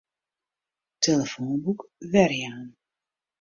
Tillefoanboek werjaan.